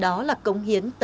đó là công hiến tâm trí